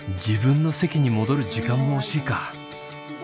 自分の席に戻る時間も惜しいか。